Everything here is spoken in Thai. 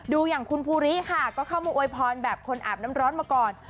อย่างคุณภูริค่ะก็เข้ามาอวยพรแบบคนอาบน้ำร้อนมาก่อน